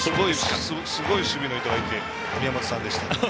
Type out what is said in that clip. すごい守備の人がいて宮本さんでしたと。